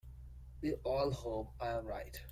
We all hope I am right.